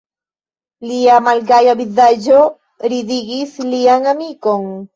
Lia malgaja vizaĝo ridigis lian amikon.